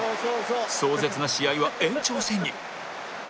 壮絶な試合は延長戦に